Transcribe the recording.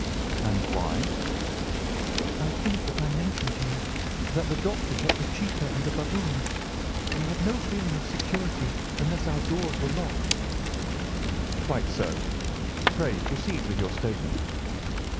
"And why?" "I think that I mentioned to you that the Doctor kept a cheetah and a baboon. We had no feeling of security unless our doors were locked." "Quite so. Pray proceed with your statement."